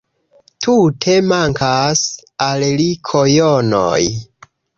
Tute mankas al li kojonoj